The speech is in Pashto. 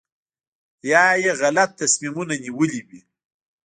یا یې غلط تصمیمونه نیولي وي.